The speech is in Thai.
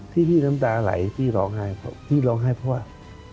ที่พี่น้ำตาไหลพี่ร้องไห้เพราะว่า